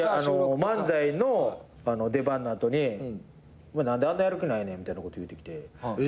漫才の出番の後に「何であんなやる気ないねん」みたいなこと言うてきて。